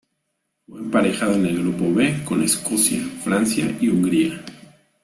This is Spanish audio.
Fue emparejado en el Grupo B con Escocia, Francia y Hungría.